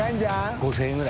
５０００円ぐらい？